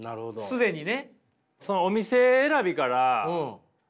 既にね。